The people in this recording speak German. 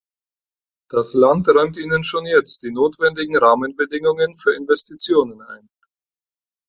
Das Land räumt ihnen schon jetzt die notwendigen Rahmenbedingungen für Investitionen ein.